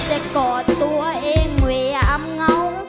ได้จะกอดตัวเองไว้อำงง